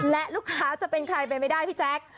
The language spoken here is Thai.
และลูกค้าจะเป็นใครไปไม่ได้พี่แจ๊ค